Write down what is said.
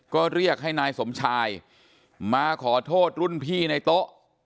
ก็เรียกให้นายสมชายมาขอโทษรุ่นพี่ในโต๊ะ